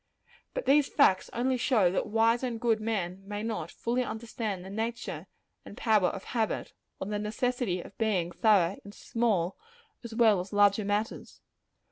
But these facts only show that wise and good men may not fully understand the nature and power of habit or the necessity of being thorough in small as well as larger matters.